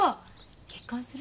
結婚するの？